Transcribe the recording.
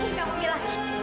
pergi kamu mila